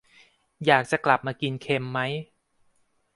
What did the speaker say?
อยากจะกลับมากินเค็มไหม ?